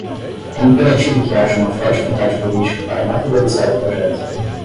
É imperativo que haja uma forte vontade política para materializar o projeto.